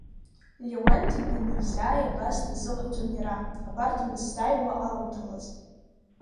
Леуанти данизааи абас дазыҟаиҵон иара, абарҭ анысзааиуа аламҭалаз.